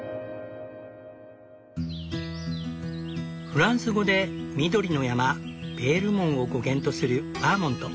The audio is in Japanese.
フランス語で「緑の山」ヴェールモンを語源とするバーモント。